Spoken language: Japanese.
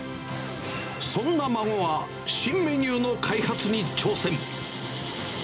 そんな孫は、新メニューの開発に挑戦。